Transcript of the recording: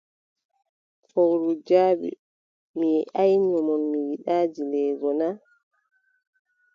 Fowru jaabi: Mi wiʼaayno on, mi yiɗaa dileego na?